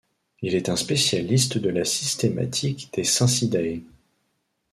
Il est un spécialiste de la systématique des Scincidae.